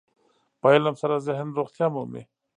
په علم سره ذهن روغتیا مومي.